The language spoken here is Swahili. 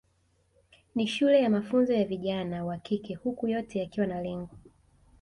Ni shule ya mafunzo ya vijana wa kike huku yote yakiwa na lengo